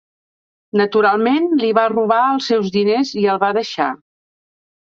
Naturalment, li va robar els seus diners i el va deixar.